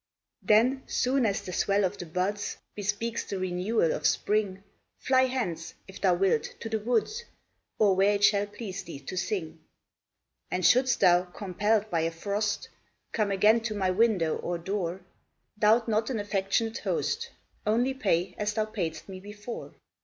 Then, soon as the swell of the buds Bespeaks the renewal of spring, Fly hence, if thou wilt, to the woods, Or where it shall please thee to sing: And shouldst thou, compell'd by a frost, Come again to my window or door, Doubt not an affectionate host, Only pay, as thou pay'dst me before.